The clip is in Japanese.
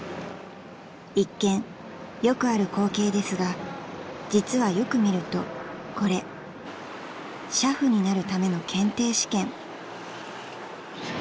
［一見よくある光景ですが実はよく見るとこれ俥夫になるための検定試験］